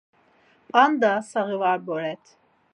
P̌anda saği var boret.